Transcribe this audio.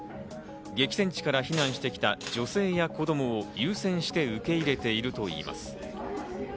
激戦地から避難してきた女性や子供を優先して受け入れているといいます。